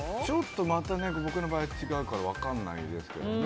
また僕の場合は違うから分からないですけどね。